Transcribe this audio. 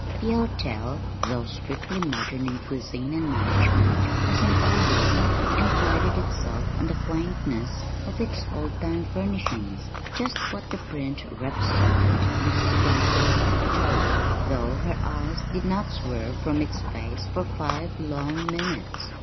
The hotel though strictly modern in cuisine and management was an old one, and prided itself on the quaintness of its old time furnishings. Just what the print represented Mrs. John could not have told, though her eyes did not swerve from its face for five long minutes.